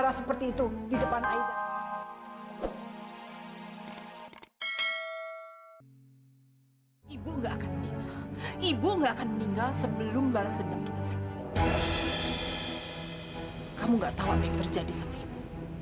apa yang terjadi sama ibu